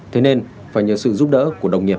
thế nên phải nhờ sự giúp đỡ của đồng nghiệp